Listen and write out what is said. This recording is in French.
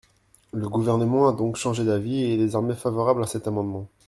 Le Gouvernement a donc changé d’avis et est désormais favorable à cet amendement.